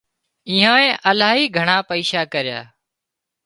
ايئنانئي الاهي گھڻا پئيشا ڪريا